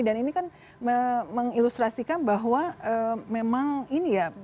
dan ini kan mengilustrasikan bahwa memang ini ya